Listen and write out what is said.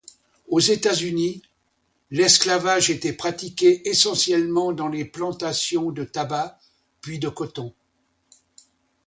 Aux États-Unis, l'esclavage était pratiqué essentiellement dans les plantations de tabac puis de coton.